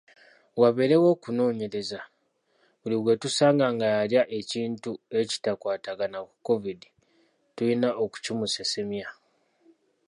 Wabeerewo okunoonyereza, buli gwe tusanga nga yalya ekintu ekikwatagana ku Kovidi tulina okukimusesemya.